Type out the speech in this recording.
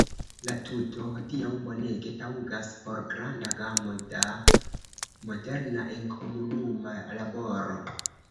La tuto hodiaŭ bonege taŭgas por granda gamo da moderna enkomunuma laboro.